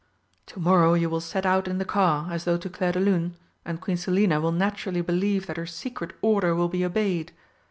To morrow you will set out in the car, as though to Clairdelune, and Queen Selina will naturally believe that her secret order will be obeyed.